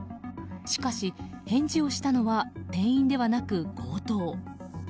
しかし、返事をしたのは店員ではなく強盗。